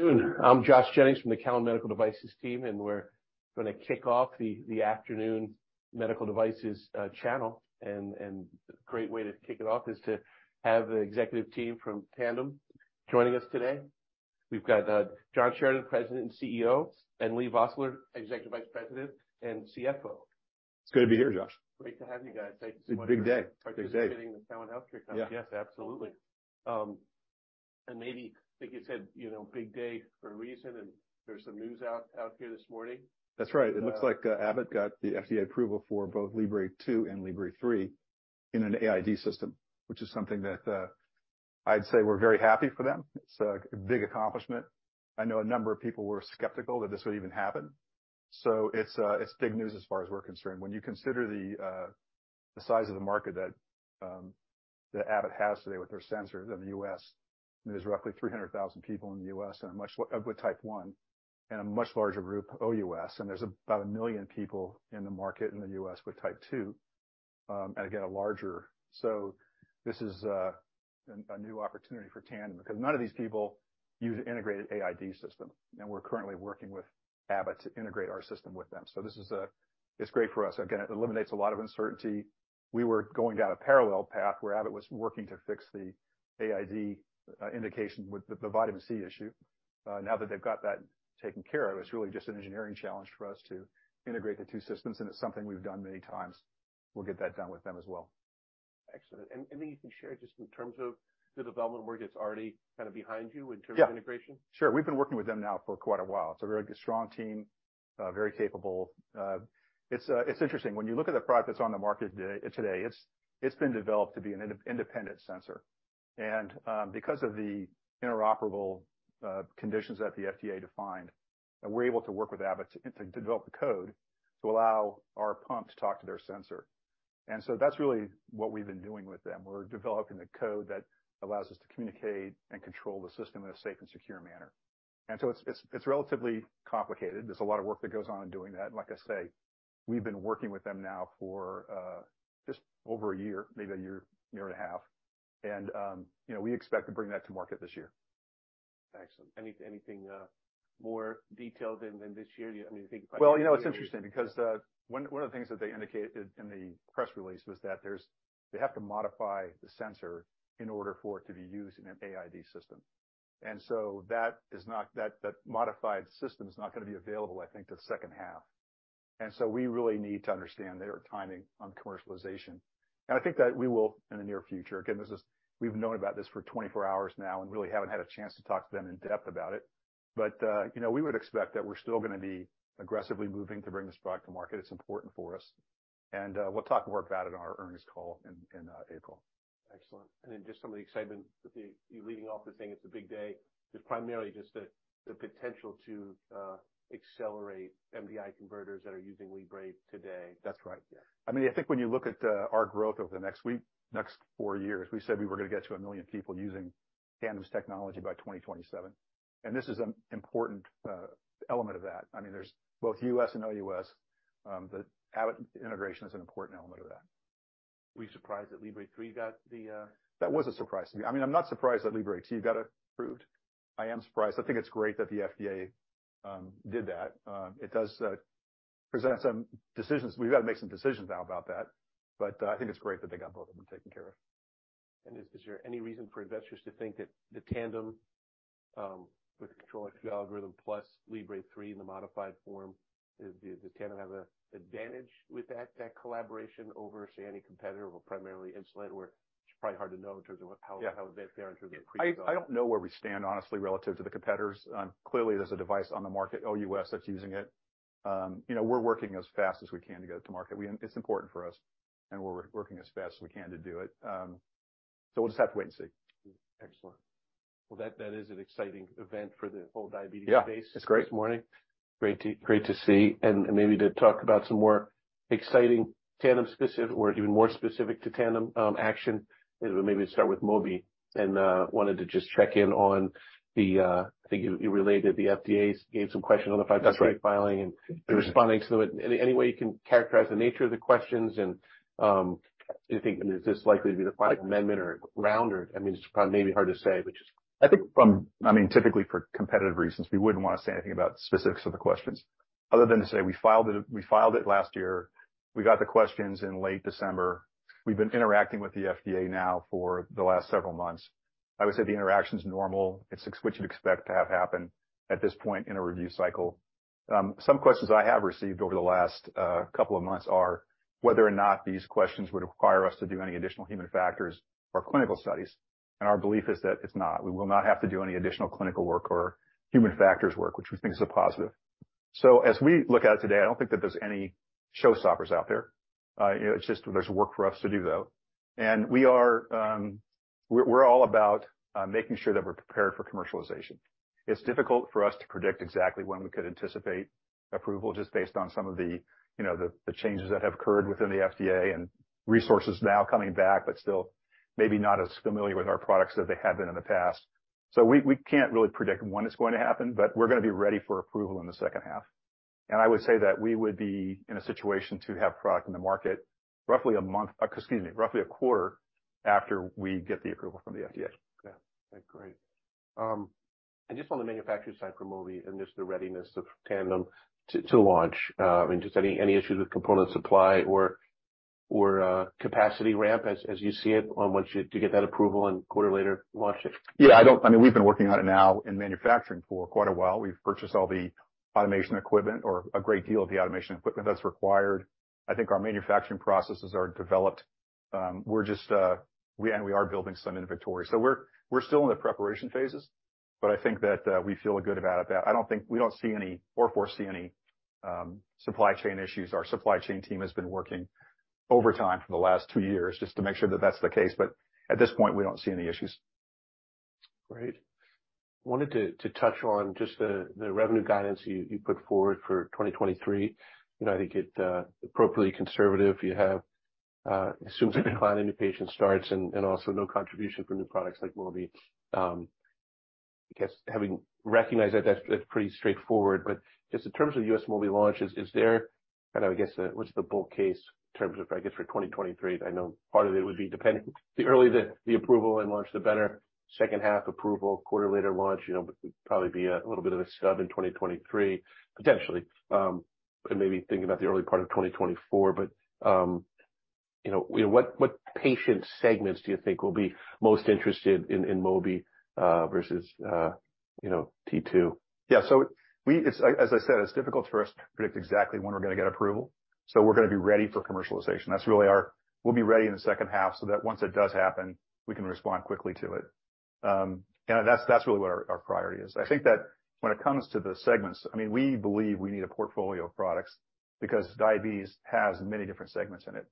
Good afternoon. I'm Joshua Jennings from the Cowen Medical Devices team, we're gonna kick off the afternoon medical devices channel. A great way to kick it off is to have the executive team from Tandem joining us today. We've got John Sheridan, President and CEO; and Leigh Vosseller, Executive Vice President and CFO. It's good to be here, Josh. Great to have you guys. Thank you so much. It's a big day. Big day. Participating in the Cowen Health Care Conference. Yeah, absolutely. Maybe, I think you said, you know, big day for a reason, and there's some news out here this morning. That's right. It looks like Abbott got the FDA approval for both FreeStyle Libre 2 and FreeStyle Libre 3 in an AID system, which is something that I'd say we're very happy for them. It's a big accomplishment. I know a number of people were skeptical that this would even happen, so it's big news as far as we're concerned. When you consider the size of the market that Abbott has today with their sensors in the U.S., there's roughly 300,000 people in the U.S. with Type 1, and a much larger group OUS, and there's about 1 million people in the market in the U.S. with Type 2, and again, larger. This is, a new opportunity for Tandem because none of these people use an integrated AID system, and we're currently working with Abbott to integrate our system with them. It's great for us. Again, it eliminates a lot of uncertainty. We were going down a parallel path where Abbott was working to fix the AID indication with the vitamin C issue. Now that they've got that taken care of, it's really just an engineering challenge for us to integrate the two systems, and it's something we've done many times. We'll get that done with them as well. Excellent. Anything you can share just in terms of the development work that's already kind of behind you in terms of integration? Yeah. Sure. We've been working with them now for quite a while. It's a very strong team, very capable. It's interesting. When you look at the product that's on the market today, it's been developed to be an independent sensor. Because of the interoperable conditions that the FDA defined, we're able to work with Abbott to develop the code to allow our pump to talk to their sensor. That's really what we've been doing with them. We're developing the code that allows us to communicate and control the system in a safe and secure manner. It's relatively complicated. There's a lot of work that goes on in doing that. Like I say, we've been working with them now for just over a year, maybe a year and a half. You know, we expect to bring that to market this year. Excellent. Anything more detailed than this year? I mean, do you think Well, you know, it's interesting because one of the things that they indicated in the press release was that they have to modify the sensor in order for it to be used in an AID system. That modified system is not gonna be available, I think, till second half. We really need to understand their timing on commercialization. I think that we will in the near future. Again, we've known about this for 24 hours now and really haven't had a chance to talk to them in depth about it. You know, we would expect that we're still gonna be aggressively moving to bring this product to market. It's important for us. We'll talk more about it on our earnings call in April. Excellent. Just some of the excitement with you leading off the thing, it's a big day. Just primarily just the potential to accelerate MDI converters that are using Libre today. That's right. Yeah. I mean, I think when you look at our growth over the next four years, we said we were gonna get to 1 million people using Tandem's technology by 2027. This is an important element of that. I mean, there's both U.S. and OUS, the Abbott integration is an important element of that. Were you surprised that Libre 3 got the? That was a surprise to me. I mean, I'm not surprised that Libre 2 got approved. I am surprised. I think it's great that the FDA did that. It does present some decisions. We've got to make some decisions now about that, but I think it's great that they got both of them taken care of. Is there any reason for investors to think that the Tandem with the Control-IQ algorithm plus FreeStyle Libre 3 in the modified form, does Tandem have a advantage with that collaboration over, say, any competitor or primarily Insulet where it's probably hard to know in terms of what? Yeah. How they compare in terms of? I don't know where we stand, honestly, relative to the competitors. Clearly, there's a device on the market, OUS, that's using it. You know, we're working as fast as we can to get it to market. It's important for us, and we're working as fast as we can to do it. So we'll just have to wait and see. Excellent. Well, that is an exciting event for the whole diabetes space. Yeah. It's great. This morning. Great to see. Maybe to talk about some more exciting Tandem specific or even more specific to Tandem action. Maybe we'll start with Mobi and wanted to just check in on the, I think you relayed that the FDA gave some questions on the 510(k) filing and you're responding to it. Any way you can characterize the nature of the questions and do you think is this likely to be the final amendment or round or I mean, it's probably maybe hard to say. I mean, typically for competitive reasons, we wouldn't wanna say anything about specifics of the questions other than to say we filed it, we filed it last year. We got the questions in late December. We've been interacting with the FDA now for the last several months. I would say the interaction is normal. It's what you'd expect to have happen at this point in a review cycle. Some questions I have received over the last couple of months are whether or not these questions would require us to do any additional human factors or clinical studies, and our belief is that it's not. We will not have to do any additional clinical work or human factors work, which we think is a positive. As we look at it today, I don't think that there's any showstoppers out there. You know, it's just there's work for us to do, though. We are, we're all about making sure that we're prepared for commercialization. It's difficult for us to predict exactly when we could anticipate approval just based on some of the, you know, the changes that have occurred within the FDA and resources now coming back, but still maybe not as familiar with our products as they have been in the past. We can't really predict when it's gonna happen, but we're gonna be ready for approval in the second half. I would say that we would be in a situation to have product in the market roughly a quarter after we get the approval from the FDA. Yeah. Okay, great. Just on the manufacturer side for Mobi and just the readiness of Tandem to launch. I mean, just any issues with component supply or capacity ramp as you see it on to get that approval and quarter later launch it? Yeah, I mean, we've been working on it now in manufacturing for quite a while. We've purchased all the automation equipment or a great deal of the automation equipment that's required. I think our manufacturing processes are developed. We're just, and we are building some inventory. We're still in the preparation phases, but I think that we feel good about it, that we don't see any or foresee any supply chain issues. Our supply chain team has been working overtime for the last two years just to make sure that that's the case. At this point, we don't see any issues. Great. Wanted to touch on just the revenue guidance you put forward for 2023. You know, I think it, appropriately conservative. You have, assumes that the client indication starts and also no contribution from new products like Mobi. I guess having recognized that that's pretty straightforward. Just in terms of U.S. Mobi launches, is there and I would guess, what's the bull case in terms of, I guess, for 2023? I know part of it would be dependent the earlier the approval and launch, the better. Second half approval, quarter later launch, you know, would probably be a little bit of a stub in 2023, potentially. Maybe thinking about the early part of 2024. You know, what patient segments do you think will be most interested in Mobi, versus, you know, T2? As I said, it's difficult for us to predict exactly when we're gonna get approval, so we're gonna be ready for commercialization. We'll be ready in the second half so that once it does happen, we can respond quickly to it. You know, that's really what our priority is. I think that when it comes to the segments, I mean, we believe we need a portfolio of products because diabetes has many different segments in it.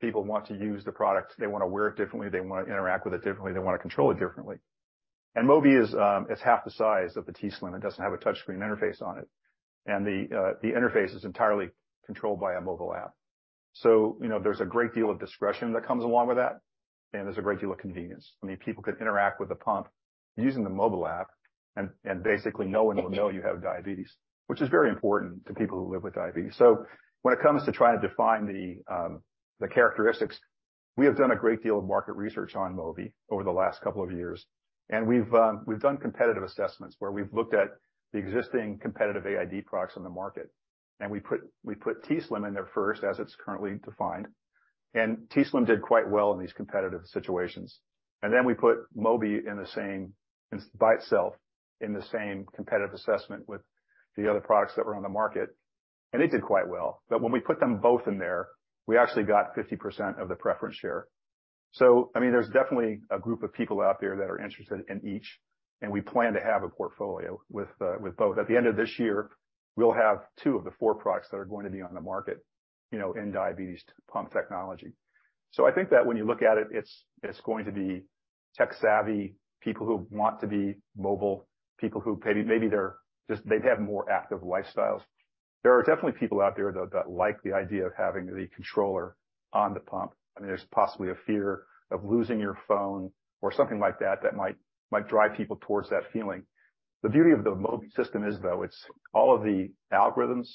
People want to use the products. They wanna wear it differently. They wanna interact with it differently. They wanna control it differently. Mobi is half the size of the t:slim. It doesn't have a touch screen interface on it. The interface is entirely controlled by a mobile app. You know, there's a great deal of discretion that comes along with that, and there's a great deal of convenience. I mean, people can interact with the pump using the mobile app, and basically no one will know you have diabetes, which is very important to people who live with diabetes. When it comes to trying to define the characteristics, we have done a great deal of market research on Mobi over the last couple of years. We've done competitive assessments where we've looked at the existing competitive AID products on the market, and we put t:slim in there first as it's currently defined. t:slim did quite well in these competitive situations. We put Mobi by itself in the same competitive assessment with the other products that were on the market, and it did quite well. When we put them both in there, we actually got 50% of the preference share. I mean, there's definitely a group of people out there that are interested in each, and we plan to have a portfolio with both. At the end of this year, we'll have two of the four products that are going to be on the market, you know, in diabetes pump technology. I think that when you look at it's going to be tech-savvy people who want to be mobile, people who maybe they have more active lifestyles. There are definitely people out there though that like the idea of having the controller on the pump. I mean, there's possibly a fear of losing your phone or something like that that might drive people towards that feeling. The beauty of the Mobi system is, though, it's all of the algorithms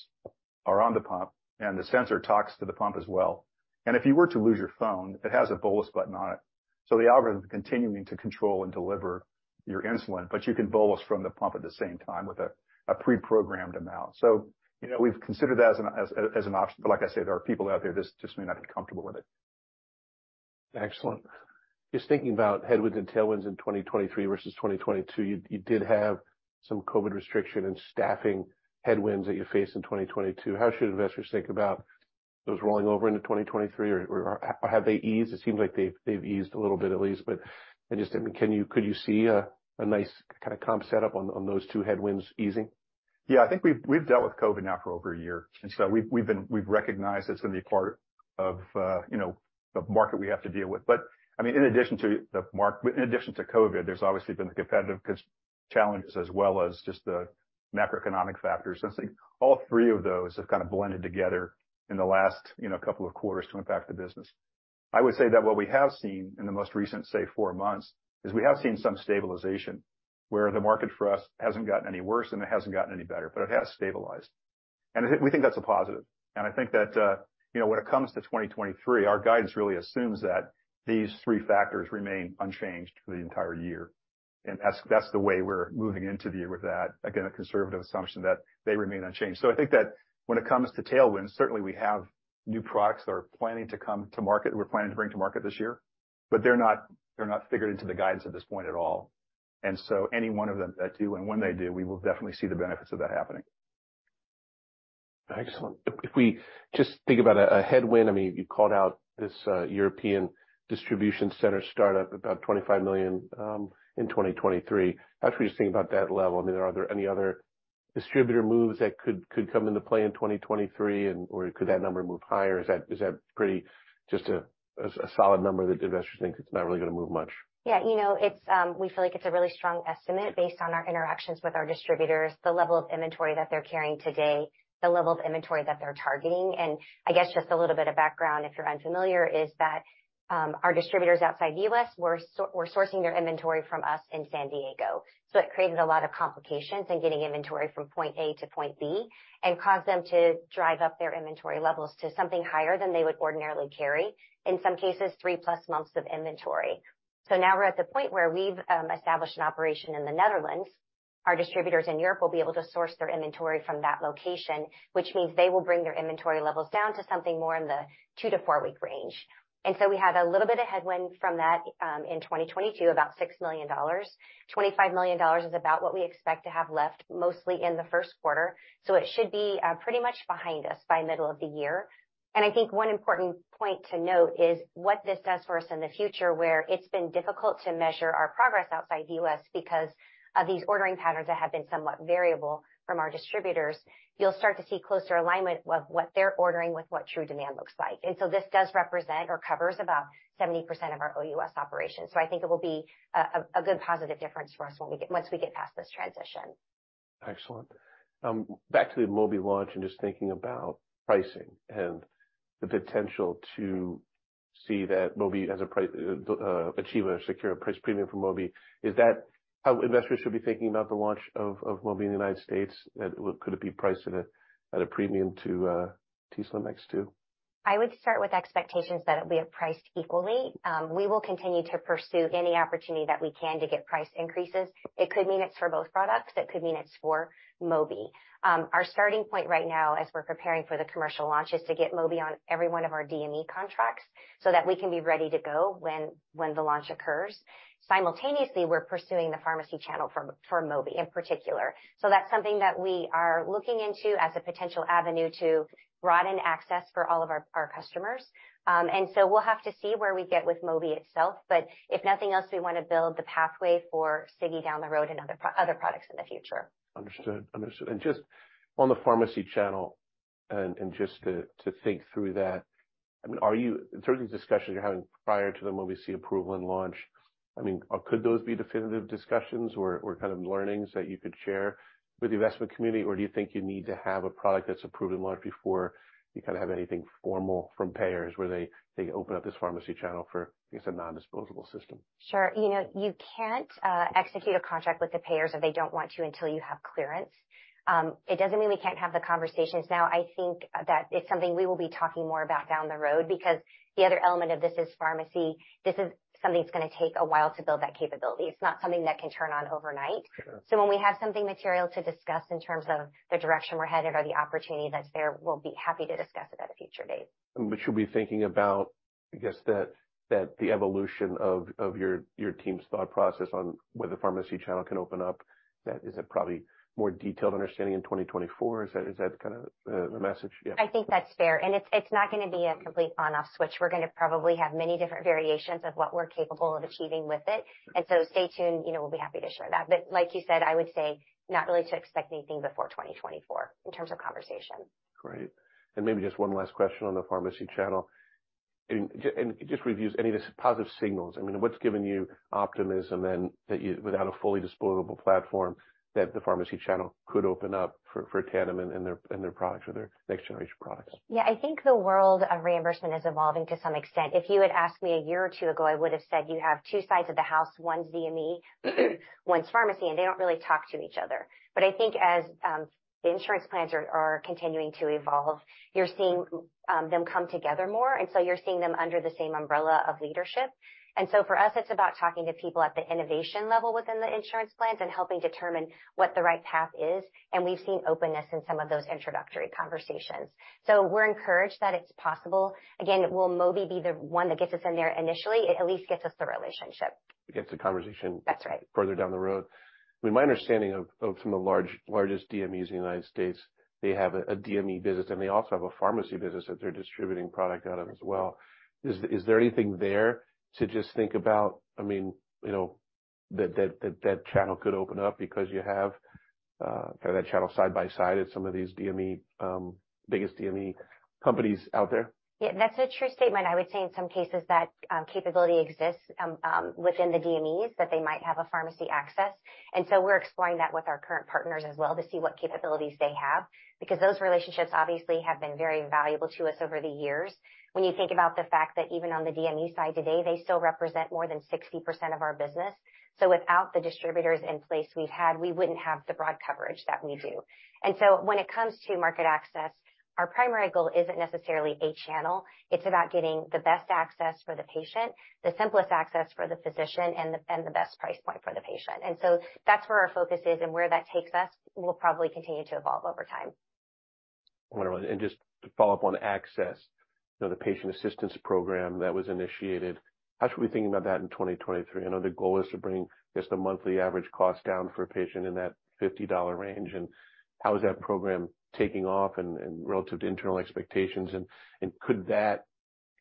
are on the pump, and the sensor talks to the pump as well. If you were to lose your phone, it has a bolus button on it, so the algorithm is continuing to control and deliver your insulin, but you can bolus from the pump at the same time with a pre-programmed amount. You know, we've considered that as an option, but like I said, there are people out there that just may not be comfortable with it. Excellent. Just thinking about headwinds and tailwinds in 2023 versus 2022, you did have some COVID restriction and staffing headwinds that you faced in 2022. How should investors think about those rolling over into 2023 or have they eased? It seems like they've eased a little bit at least. Just, I mean, could you see a nice kind of comp set up on those two headwinds easing? I think we've dealt with COVID now for over a year, and so we've recognized it's gonna be part of, you know, the market we have to deal with. I mean, in addition to COVID, there's obviously been the competitive challenges as well as just the macroeconomic factors. I think all three of those have kind of blended together in the last, you know, couple of quarters to impact the business. I would say that what we have seen in the most recent, say, four months, is we have seen some stabilization where the market for us hasn't gotten any worse, and it hasn't gotten any better, but it has stabilized. We think that's a positive. I think that, you know, when it comes to 2023, our guidance really assumes that these three factors remain unchanged for the entire year. That's the way we're moving into the year with that, again, a conservative assumption that they remain unchanged. I think that when it comes to tailwinds, certainly we have new products that are planning to come to market. We're planning to bring to market this year, but they're not figured into the guidance at this point at all. Any one of them that do, and when they do, we will definitely see the benefits of that happening. Excellent. If we just think about a headwind, I mean, you called out this European distribution center startup about $25 million in 2023. After you're just thinking about that level, I mean, are there any other distributor moves that could come into play in 2023 and/or could that number move higher? Is that pretty just a solid number that investors think it's not really going to move much? Yeah. You know, it's, we feel like it's a really strong estimate based on our interactions with our distributors, the level of inventory that they're carrying today, the level of inventory that they're targeting. I guess just a little bit of background, if you're unfamiliar, is that, our distributors outside the U.S. were sourcing their inventory from us in San Diego. It created a lot of complications in getting inventory from point A to point B and caused them to drive up their inventory levels to something higher than they would ordinarily carry, in some cases, 3+ months of inventory. Now we're at the point where we've established an operation in the Netherlands. Our distributors in Europe will be able to source their inventory from that location, which means they will bring their inventory levels down to something more in the two to four week range. We have a little bit of headwind from that, in 2022, about $6 million. $25 million is about what we expect to have left, mostly in the first quarter. It should be pretty much behind us by middle of the year. I think one important point to note is what this does for us in the future, where it's been difficult to measure our progress outside the U.S. because of these ordering patterns that have been somewhat variable from our distributors. You'll start to see closer alignment with what they're ordering, with what true demand looks like. This does represent or covers about 70% of our OUS operations. I think it will be a good positive difference for us once we get past this transition. Excellent. Back to the Mobi launch and just thinking about pricing and the potential to see that Mobi has achieve a secure price premium for Mobi. Is that how investors should be thinking about the launch of Mobi in the United States? Could it be priced at a premium to t:slim X2? I would start with expectations that it'll be priced equally. We will continue to pursue any opportunity that we can to get price increases. It could mean it's for both products. It could mean it's for Mobi. Our starting point right now, as we're preparing for the commercial launch, is to get Mobi on every one of our DME contracts so that we can be ready to go when the launch occurs. Simultaneously, we're pursuing the pharmacy channel for Mobi in particular. That's something that we are looking into as a potential avenue to broaden access for all of our customers. We'll have to see where we get with Mobi itself. If nothing else, we want to build the pathway for Sigi down the road and other products in the future. Understood, understood. Just on the pharmacy channel and just to think through that, I mean, so these discussions you're having prior to the Mobi C approval and launch, I mean, could those be definitive discussions or kind of learnings that you could share with the investment community? Or do you think you need to have a product that's approved and launched before you kind of have anything formal from payers where they open up this pharmacy channel for, I guess, a non-disposable system? Sure. You know, you can't execute a contract with the payers if they don't want to, until you have clearance. It doesn't mean we can't have the conversations now. I think that it's something we will be talking more about down the road, because the other element of this is pharmacy. This is something that's going to take a while to build that capability. It's not something that can turn on overnight. Sure. When we have something material to discuss in terms of the direction we're headed or the opportunity that's there, we'll be happy to discuss it at a future date. Should we be thinking about, I guess, that the evolution of your team's thought process on whether pharmacy channel can open up, that is a probably more detailed understanding in 2024. Is that kind of the message? Yeah. I think that's fair. It's, it's not gonna be a complete on/off switch. We're gonna probably have many different variations of what we're capable of achieving with it. Stay tuned, you know, we'll be happy to share that. Like you said, I would say not really to expect anything before 2024 in terms of conversation. Great. Maybe just one last question on the pharmacy channel. Just reviews, any of the positive signals, I mean, what's given you optimism then that without a fully disposable platform, that the pharmacy channel could open up for Tandem and their products or their next generation products? Yeah. I think the world of reimbursement is evolving to some extent. If you had asked me a year or two ago, I would have said you have two sides of the house. One's DME, one's pharmacy, and they don't really talk to each other. I think as the insurance plans are continuing to evolve, you're seeing them come together more, and so you're seeing them under the same umbrella of leadership. For us, it's about talking to people at the innovation level within the insurance plans and helping determine what the right path is. We've seen openness in some of those introductory conversations, so we're encouraged that it's possible. Again, will Mobi be the one that gets us in there initially? It at least gets us the relationship. It gets the conversation. That's right. Further down the road. I mean, my understanding of some of the largest DMEs in the United States, they have a DME business, and they also have a pharmacy business that they're distributing product out of as well. Is there anything there to just think about, I mean, you know, that channel could open up because you have that channel side by side at some of these DME, biggest DME companies out there? Yeah, that's a true statement. I would say in some cases that capability exists within the DMEs, that they might have a pharmacy access. We're exploring that with our current partners as well, to see what capabilities they have, because those relationships obviously have been very valuable to us over the years. When you think about the fact that even on the DME side today, they still represent more than 60% of our business. Without the distributors in place we've had, we wouldn't have the broad coverage that we do. When it comes to market access, our primary goal isn't necessarily a channel. It's about getting the best access for the patient, the simplest access for the physician, and the best price point for the patient. That's where our focus is, and where that takes us will probably continue to evolve over time. Wonderful. Just to follow up on access, you know, the patient assistance program that was initiated, how should we be thinking about that in 2023? I know the goal is to bring just the monthly average cost down for a patient in that $50 range. How is that program taking off relative to internal expectations? Could that,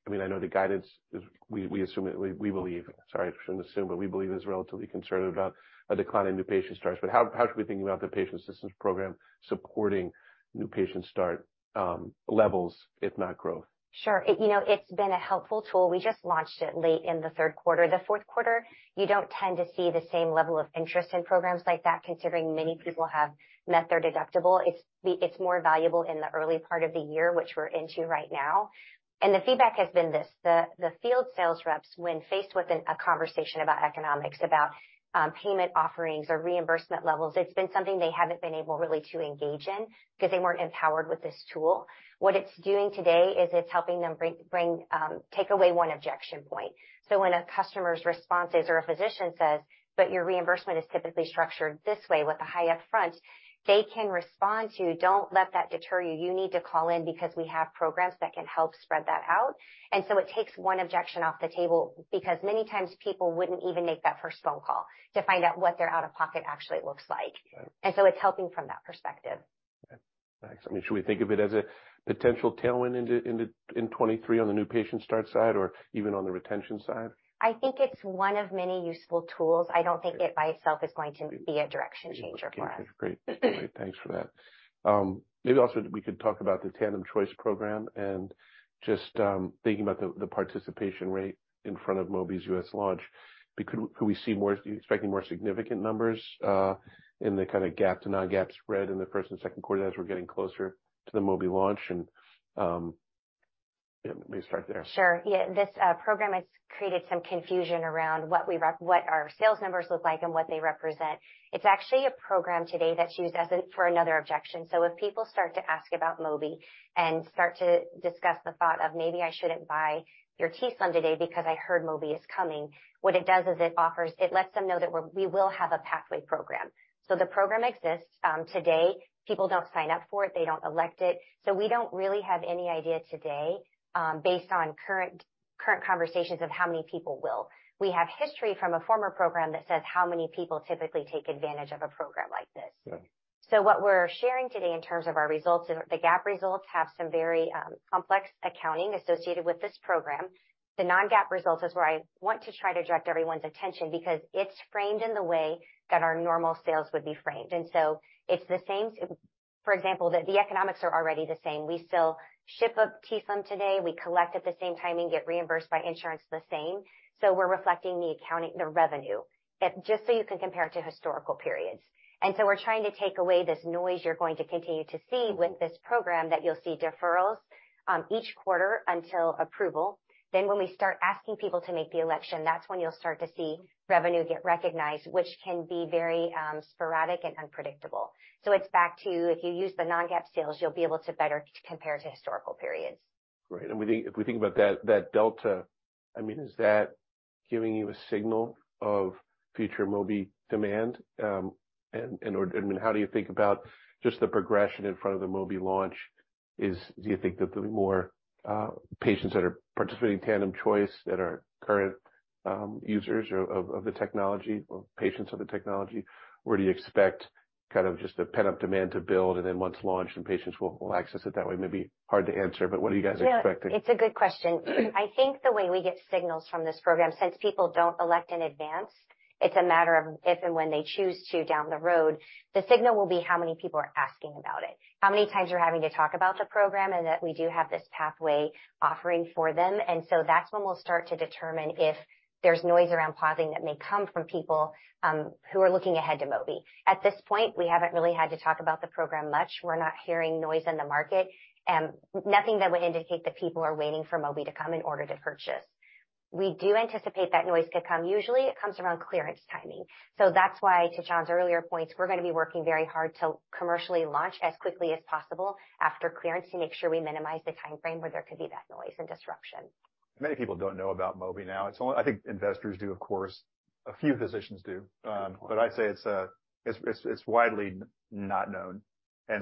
I mean, I know the guidance is, we assume it. We believe. Sorry, I shouldn't assume, but we believe is relatively conservative about a decline in new patient starts. How should we be thinking about the patient assistance program supporting new patient start levels, if not growth? Sure. You know, it's been a helpful tool. We just launched it late in the third quarter. The fourth quarter, you don't tend to see the same level of interest in programs like that, considering many people have met their deductible. It's more valuable in the early part of the year, which we're into right now. The feedback has been this. The, the field sales reps, when faced with a conversation about economics, about payment offerings or reimbursement levels, it's been something they haven't been able really to engage in because they weren't empowered with this tool. What it's doing today is it's helping them bring, take away one objection point. When a customer's response is, or a physician says, "But your reimbursement is typically structured this way with a high upfront," they can respond to, "Don't let that deter you". You need to call in because we have programs that can help spread that out." It takes one objection off the table, because many times people wouldn't even make that first phone call to find out what their out-of-pocket actually looks like. Right. It's helping from that perspective. Okay. Thanks. I mean, should we think of it as a potential tailwind in 2023 on the new patient start side or even on the retention side? I think it's one of many useful tools. I don't think it by itself is going to be a direction changer for us. Okay, great. Great. Thanks for that. Maybe also we could talk about the Tandem Choice program and just, thinking about the participation rate in front of Mobi's U.S. launch. Are you expecting more significant numbers in the kind of GAAP to non-GAAP spread in the first and second quarter as we're getting closer to the Mobi launch? Yeah, maybe start there. Sure. Yeah, this program has created some confusion around what our sales numbers look like and what they represent. It's actually a program today that's used for another objection. If people start to ask about Mobi and start to discuss the thought of, "Maybe I shouldn't buy your t:slim today because I heard Mobi is coming," what it does is it lets them know that we will have a pathway program. The program exists today. People don't sign up for it. They don't elect it. We don't really have any idea today, based on current conversations of how many people will. We have history from a former program that says how many people typically take advantage of a program like this. Right. What we're sharing today in terms of our results, the GAAP results have some very complex accounting associated with this program. The non-GAAP results is where I want to try to direct everyone's attention because it's framed in the way that our normal sales would be framed. It's the same, for example, the economics are already the same. We still ship a t:slim today. We collect at the same time and get reimbursed by insurance the same. We're reflecting the accounting, the revenue just so you can compare it to historical periods. We're trying to take away this noise you're going to continue to see with this program that you'll see deferrals each quarter until approval. When we start asking people to make the election, that's when you'll start to see revenue get recognized, which can be very sporadic and unpredictable. It's back to if you use the non-GAAP sales, you'll be able to better compare to historical periods. Great. If we think about that delta, I mean, is that giving you a signal of future Mobi demand? I mean, how do you think about just the progression in front of the Mobi launch? Do you think that the more patients that are participating in Tandem Choice that are current users of the technology or patients of the technology? Do you expect kind of just the pent-up demand to build and then once launched, and patients will access it that way? Maybe hard to answer, but what are you guys expecting? Yeah, it's a good question. I think the way we get signals from this program, since people don't elect in advance, it's a matter of if and when they choose to down the road. The signal will be how many people are asking about it. How many times you're having to talk about the program, and that we do have this pathway offering for them. That's when we'll start to determine if there's noise around pausing that may come from people who are looking ahead to Mobi. At this point, we haven't really had to talk about the program much. We're not hearing noise in the market, nothing that would indicate that people are waiting for Mobi to come in order to purchase. We do anticipate that noise could come. Usually, it comes around clearance timing. That's why, to John's earlier points, we're gonna be working very hard to commercially launch as quickly as possible after clearance to make sure we minimize the timeframe where there could be that noise and disruption. Many people don't know about Mobi now. It's I think investors do, of course. A few physicians do. but I'd say it's widely not known. I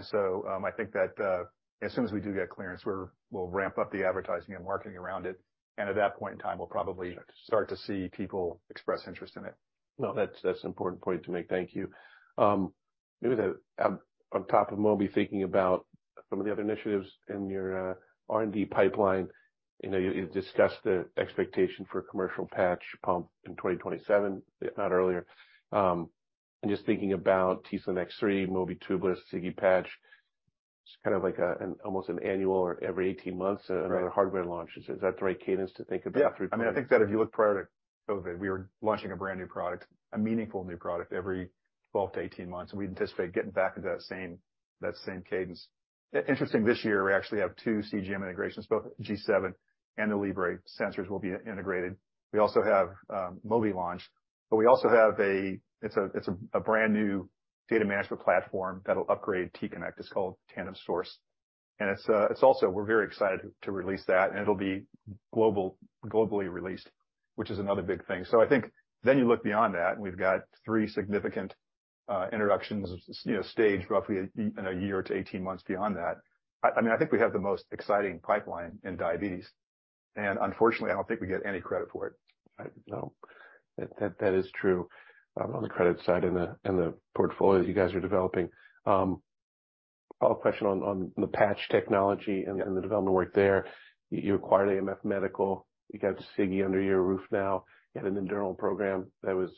think that as soon as we do get clearance, we'll ramp up the advertising and marketing around it. At that point in time, we'll probably start to see people express interest in it. No, that's an important point to make. Thank you. Maybe on top of Mobi, thinking about some of the other initiatives in your R&D pipeline. You know, you've discussed the expectation for a commercial patch pump in 2027, if not earlier. Just thinking about t:slim X3, Mobi Tubeless, Sigi Patch, it's kind of like an almost an annual or every 18 months. Right. Another hardware launch. Is that the right cadence to think about the three products? Yeah. I mean, I think that if you look prior to COVID, we were launching a brand-new product, a meaningful new product every 12-18 months, and we anticipate getting back into that same, that same cadence. Interesting this year, we actually have two CGM integrations, both G7 and the Libre sensors will be integrated. We also have Mobi launch, but we also have a brand-new data management platform that'll upgrade t:connect. It's called Tandem Source. It's also, we're very excited to release that, and it'll be globally released, which is another big thing. I think then you look beyond that, and we've got three significant introductions, you know, staged roughly in a year to 18 months beyond that. I mean, I think we have the most exciting pipeline in diabetes. Unfortunately, I don't think we get any credit for it. I know. That is true, on the credit side and the portfolio that you guys are developing. I'll question on the patch technology and the development work there. You acquired AMF Medical. You got Sigi under your roof now. You had an internal program that was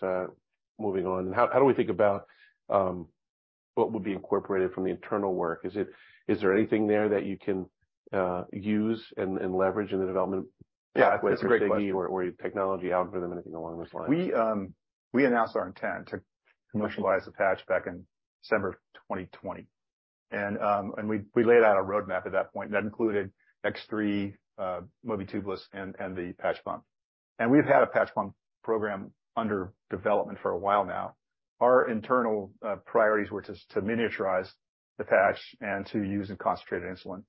moving on. How do we think about what would be incorporated from the internal work? Is there anything there that you can use and leverage in the development pathway for Sigi? Yeah, that's a great question? Or technology algorithm, anything along those lines? We announced our intent to commercialize the patch back in December 2020. We laid out a roadmap at that point. That included X3, Mobi Tubeless and the patch pump. We've had a patch pump program under development for a while now. Our internal priorities were to miniaturize the patch and to use a concentrated insulin.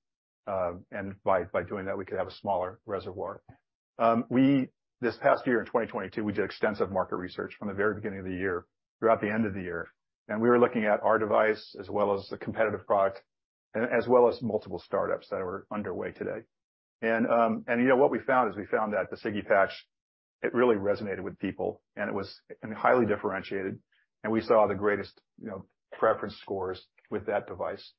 By doing that, we could have a smaller reservoir. This past year in 2022, we did extensive market research from the very beginning of the year throughout the end of the year. We were looking at our device as well as the competitive product, as well as multiple startups that are underway today. You know, what we found is that the Sigi Patch Pump really resonated with people, and it was, and highly differentiated, and we saw the greatest, you know, preference scores with that device.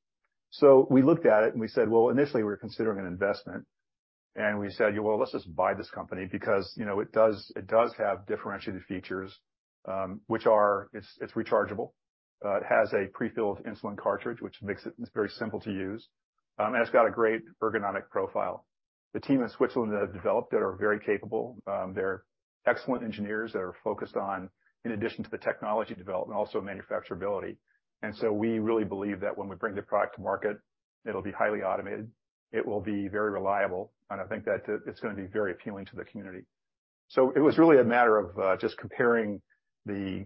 We looked at it and well, initially, we were considering an investment, and we said: Well, let's just buy this company because, you know, it does have differentiated features, which are it's rechargeable. It has a pre-filled insulin cartridge, which makes it just very simple to use. It's got a great ergonomic profile. The team in Switzerland that developed it are very capable. They're excellent engineers that are focused on, in addition to the technology development, also manufacturability. We really believe that when we bring the product to market, it'll be highly automated, it will be very reliable, and I think that it's gonna be very appealing to the community. It was really a matter of just comparing the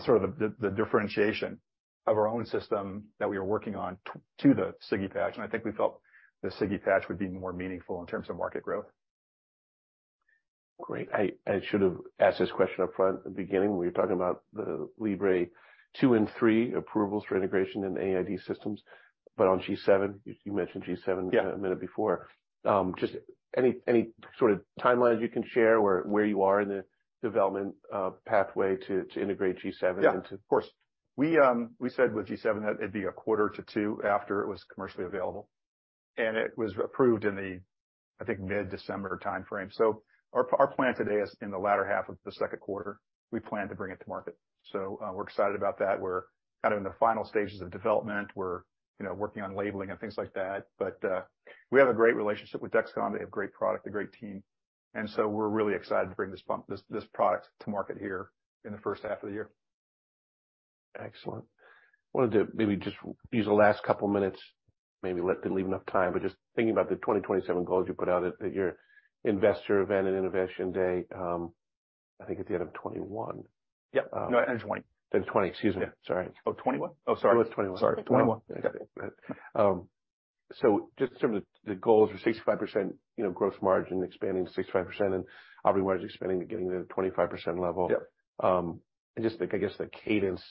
sort of the differentiation of our own system that we were working on to the Sigi Patch. I think we felt the Sigi Patch would be more meaningful in terms of market growth. Great. I should have asked this question up front at the beginning when you were talking about the Libre 2 and 3 approvals for integration in AID systems, but on G7, you mentioned G7. Yeah. A minute before. Just any sort of timelines you can share where you are in the development, pathway to integrate G7 into? Yeah, of course. We said with G7 that it'd be a quarter to two after it was commercially available. It was approved in the, I think, mid-December timeframe. Our plan today is in the latter half of the second quarter, we plan to bring it to market. We're excited about that. We're kind of in the final stages of development. We're, you know, working on labeling and things like that. We have a great relationship with Dexcom. They have great product, a great team. We're really excited to bring this pump, this product to market here in the first half of the year. Excellent. Wanted to maybe just use the last couple minutes, maybe didn't leave enough time, but just thinking about the 2027 goals you put out at your investor event and innovation day, I think at the end of 2021. Yeah. No, end of 2020. End of 2020. Excuse me. Sorry. Oh, 2021? Oh, sorry. It was 2021. Sorry. 2021. Yeah. just some of the goals are 65%, you know, gross margin expanding to 65% and operating margin expanding to getting to the 25% level. Yep. Just like I guess the cadence.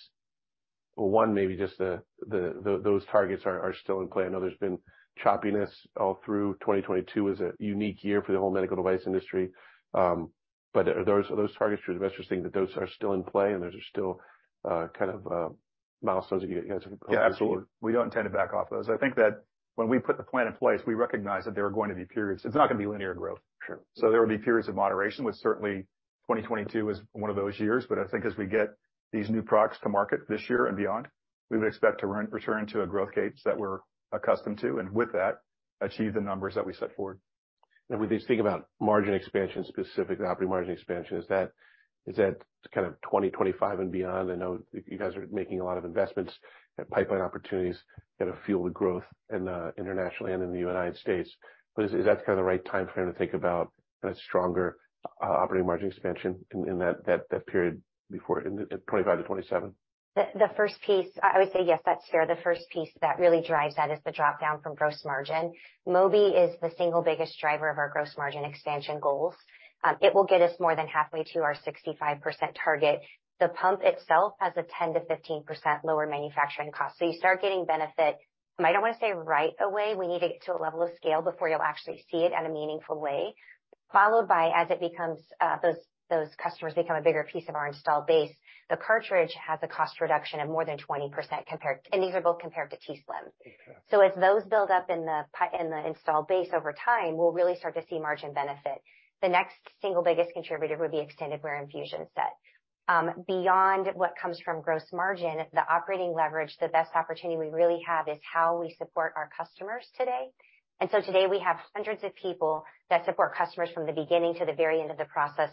One, maybe just the, those targets are still in play. I know there's been choppiness all through. 2022 was a unique year for the whole medical device industry. Are those targets for the investors saying that those are still in play and those are still, kind of, milestones you guys have. Yeah, absolutely. We don't intend to back off those. I think that when we put the plan in place, we recognized that there were going to be periods. It's not gonna be linear growth. Sure. There will be periods of moderation, which certainly 2022 is one of those years. I think as we get these new products to market this year and beyond, we would expect to return to a growth gauge that we're accustomed to, and with that, achieve the numbers that we set forward. When we think about margin expansion, specifically operating margin expansion, is that kind of 2025 and beyond? I know you guys are making a lot of investments and pipeline opportunities that'll fuel the growth in internationally and in the United States. Is that kind of the right timeframe to think about a stronger operating margin expansion in that period before in 2025-2027? The first piece. I would say, yes, that's fair. The first piece that really drives that is the dropdown from gross margin. Mobi is the single biggest driver of our gross margin expansion goals. It will get us more than halfway to our 65% target. The pump itself has a 10%-15% lower manufacturing cost. You start getting benefit, I don't wanna say right away. We need to get to a level of scale before you'll actually see it in a meaningful way. Followed by, as it becomes, those customers become a bigger piece of our installed base, the cartridge has a cost reduction of more than 20% compared. These are both compared to t:slim. Exactly. As those build up in the installed base over time, we'll really start to see margin benefit. The next single biggest contributor would be extended wear infusion set. Beyond what comes from gross margin, the operating leverage, the best opportunity we really have is how we support our customers today. Today we have hundreds of people that support customers from the beginning to the very end of the process.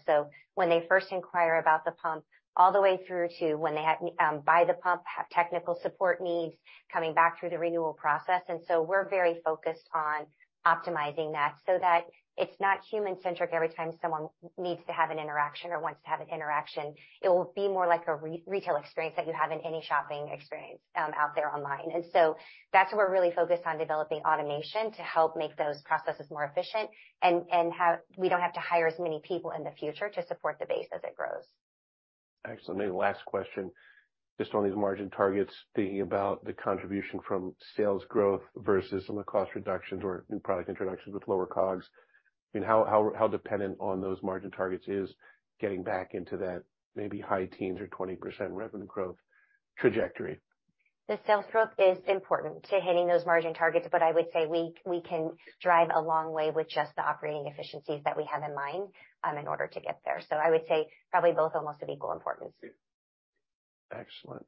When they first inquire about the pump, all the way through to when they have, buy the pump, have technical support needs, coming back through the renewal process. We're very focused on optimizing that so that it's not human-centric every time someone needs to have an interaction or wants to have an interaction. It will be more like a retail experience that you have in any shopping experience, out there online. That's why we're really focused on developing automation to help make those processes more efficient and we don't have to hire as many people in the future to support the base as it grows. Excellent. Maybe last question, just on these margin targets, thinking about the contribution from sales growth versus on the cost reductions or new product introductions with lower COGS. I mean, how dependent on those margin targets is getting back into that maybe high teens or 20% revenue growth trajectory? The sales growth is important to hitting those margin targets, but I would say we can drive a long way with just the operating efficiencies that we have in mind, in order to get there. I would say probably both almost of equal importance. Excellent.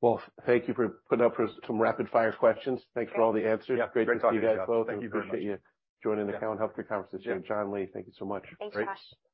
Well, thank you for putting up with some rapid fire questions. Thanks for all the answers. Yeah. Great talking to you, Josh. Thank you very much. Great to talk to you guys both. I appreciate you joining the Cowen Health Care Conference this year. John and Leigh, thank you so much. Thanks, Josh.